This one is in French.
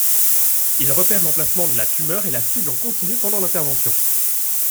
Il repère l’emplacement de la tumeur et la cible en continu pendant l’intervention.